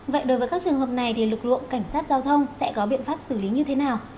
vậy đối với các trường hợp này thì lực lượng cảnh sát giao thông sẽ có biện pháp xử lý như thế nào